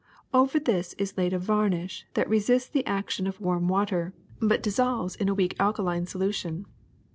Over this is laid a varnish that resists the action of warm water, but dissolves in a weak alka line solution.